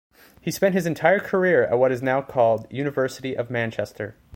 He spent his entire career at what is now called University of Manchester.